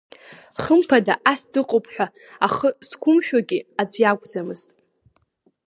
Хымԥада ас дыҟоуп ҳәа ахы зқәымшәогьы аӡә иакәӡамызт.